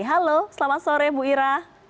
halo selamat sore bu ira